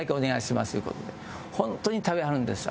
ホントに食べはるんですよ